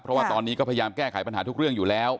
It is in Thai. เพราะว่าตอนนี้ก็พยายามแก้ไขปัญหาทุกเรื่องอยู่แล้ว